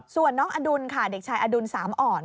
ส่วนน้องอดุลค่ะเด็กชายอดุลสามอ่อน